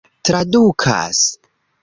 tradukas